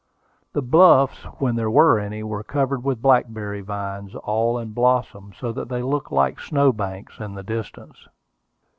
The bluffs, when there were any, were covered with blackberry vines, all in blossom, so that they looked like snow banks in the distance.